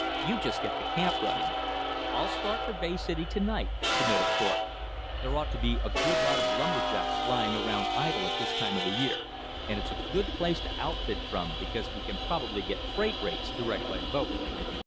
You just get the camp running." "I'll start for Bay City to night," submitted Thorpe. "There ought to be a good lot of lumber jacks lying around idle at this time of year; and it's a good place to outfit from because we can probably get freight rates direct by boat.